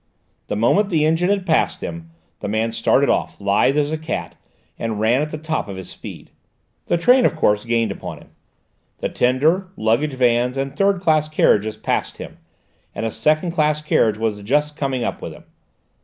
The moment the engine had passed him, the man started off, lithe as a cat, and ran at the top of his speed. The train, of course, gained upon him; the tender, luggage vans, and third class carriages passed him, and a second class carriage was just coming up with him.